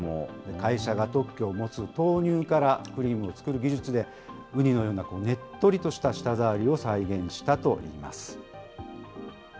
会社が特許を持つ豆乳からクリームを作る技術で、ウニのようなねっとりとした舌触りを再現したといいます。